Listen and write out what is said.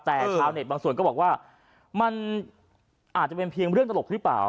แต่ชาวเน็ตบางส่วนก็บอกว่ามันอาจจะเป็นเพียงเรื่องตลกหรือเปล่า